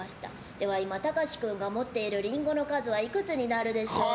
では今、タカシ君が持っているリンゴの数はいくつになるでしょう？